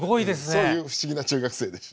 そういう不思議な中学生でした。